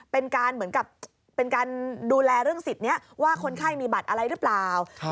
เป็นการดูแลเรื่องสิทธิ์นี้ว่าคนไข้มีบัตรอะไรหรือเปล่า